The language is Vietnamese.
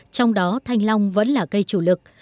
trong đó thanh long vẫn là cây chủ lực